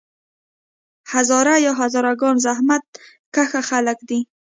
هزاره یا هزاره ګان زحمت کښه خلک دي.